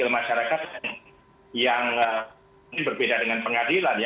masyarakat yang mungkin berbeda dengan pengadilan ya